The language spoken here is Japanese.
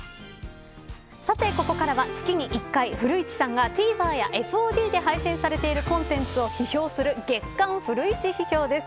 さてここからは月に一回古市さんがＴＶｅｒやＦＯＤで配信されているコンテンツを批評する月刊フルイチ批評です。